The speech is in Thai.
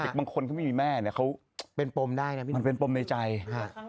เด็กบางคนก็ไม่มีแม่เนี่ยเขาเป็นปมได้นะมันเป็นปมในใจฮะ